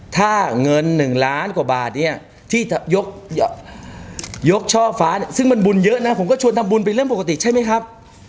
ถ้าเงิน๑ล้านกว่าบาทเนี่ยที่ยกช่อฟ้าเนี่ยซึ่งมันบุญเยอะนะผมก็ชวนทำบุญเป็นเรื่องปกติใช่ไหมครับ